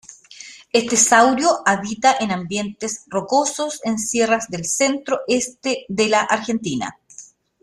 Este saurio habita en ambientes rocosos en sierras del centro-este de la Argentina.